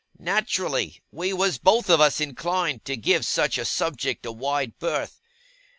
Naturally, we was both of us inclined to give such a subject a wide berth.